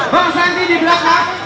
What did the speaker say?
bang sandi di belakang